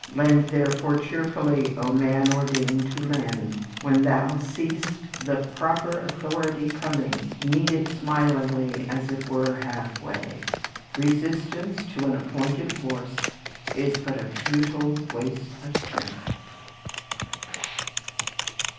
"Lend therefore cheerfully, O man ordained to lend. When thou seest the proper authority coming, meet it smilingly, as it were halfway." Resistance to an appointed force is but a futile waste of strength.